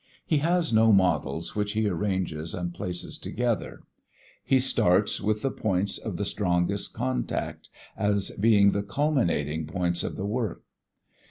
He has no models which he arranges and places together; he starts with the points of the strongest contact as being the culminating points of the work.